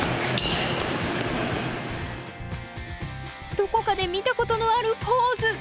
どこかで見たことのあるポーズ。